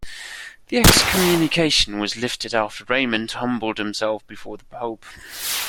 The excommunication was lifted after Raymond humbled himself before the Pope.